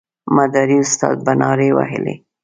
مداري استاد به نارې وهلې.